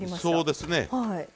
そうですね。